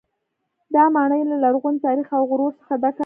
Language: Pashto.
دا ماڼۍ له لرغوني تاریخ او غرور څخه ډکه ده.